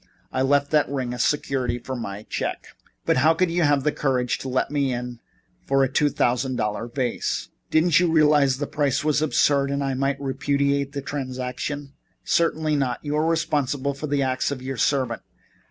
I left that ring as security for my check." "But how could you have the courage to let me in for a two thousand dollar vase? Didn't you realize that the price was absurd and that I might repudiate the transaction?" "Certainly not. You are responsible for the acts of your servant.